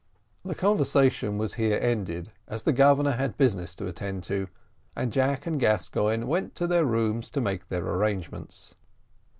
The conversation was here ended, as the Governor had business to attend to, and Jack and Gascoigne went to their rooms to make their arrangements.